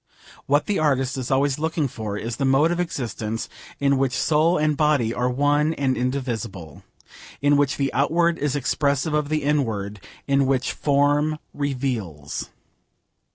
What the artist is always looking for is the mode of existence in which soul and body are one and indivisible: in which the outward is expressive of the inward: in which form reveals.